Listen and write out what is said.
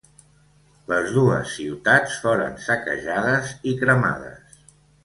Les dues ciutats foren saquejades i cremades.